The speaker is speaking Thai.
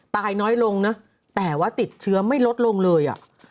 ตายน้อยลงนะแต่ว่าติดเชื้อไม่ลดลงเลย